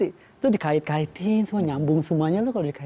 itu dikait kaitin semua nyambung semuanya